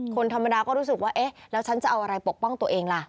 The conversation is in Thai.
คนธรรมดาก็รู้สึกว่าเอ๊ะแล้วฉันจะเอาอะไรปกป้องตัวเองล่ะ